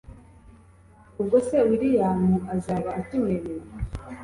ubwo se william azaba akimwemeye